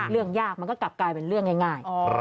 เรื่องยากมันก็กลับกลายเป็นเรื่องง่าย